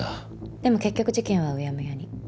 でも結局事件はうやむやに。